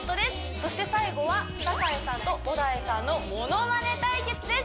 そして最後は酒井さんと小田井さんのものまね対決です